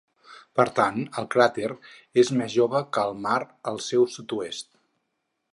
Per tant, el cràter és més jove que el mar al seu sud-est.